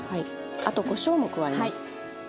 あとこしょうも加えます。